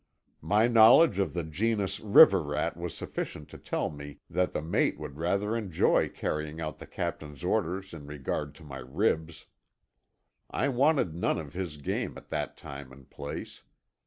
My knowledge of the genus river rat was sufficient to tell me that the mate would rather enjoy carrying out the captain's order in regard to my ribs. I wanted none of his game at that time and place.